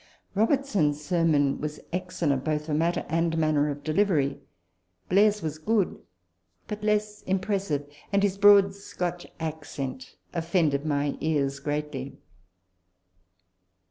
Robertson's sermon was ex cellent both for matter and manner of delivery. Blair's was good, but less impressive ; and his broad Scotch accent offended my ears greatly.